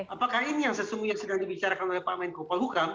apakah ini yang sesungguhnya sedang dibicarakan oleh pak menko polhukam